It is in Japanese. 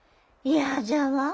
嫌じゃわあ